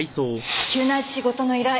急な仕事の依頼。